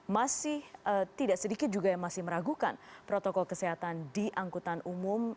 masih tidak sedikit juga yang masih meragukan protokol kesehatan di angkutan umum